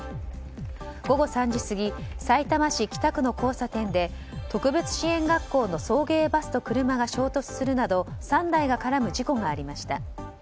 午後３時過ぎさいたま市北区の交差点で特別支援学校の送迎バスと車が衝突するなど３台が絡む事故がありました。